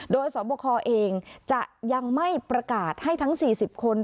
โดยสอบคอเองจะยังไม่ประกาศให้ทั้ง๔๐คน